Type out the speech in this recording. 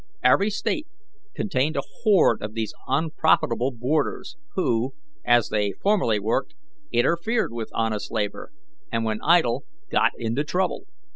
Every State contained a horde of these unprofitable boarders, who, as they formerly worked, interfered with honest labour, and when idle got into trouble.